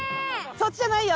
そっちじゃないよ。